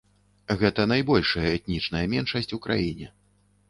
Гэта найбольшая этнічная меншасць у краіне.